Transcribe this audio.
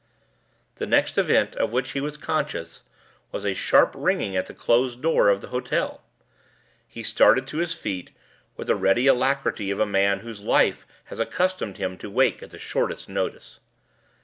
The next event of which he was conscious was a sharp ringing at the closed door of the hotel. He started to his feet, with the ready alacrity of a man whose life has accustomed him to wake at the shortest notice.